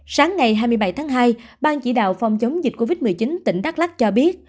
sáng ngày hai mươi bảy tháng hai bang chỉ đạo phòng chống dịch covid một mươi chín tỉnh đắk lắc cho biết